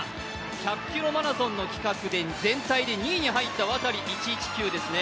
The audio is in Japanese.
１００ｋｍマラソンの企画で全体で２位に入ったワタリ１１９です。